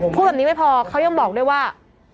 พูดแบบนี้ไม่พอเขายังบอกด้วยว่า